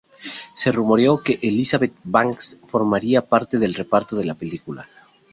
Se rumoreó que Elizabeth Banks formaría parte del reparto de la película.